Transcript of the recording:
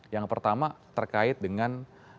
yang pertama terkait dengan